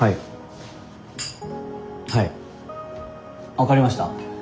分かりました。